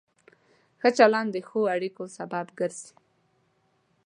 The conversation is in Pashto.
ښه چلند د ښو اړیکو سبب ګرځي.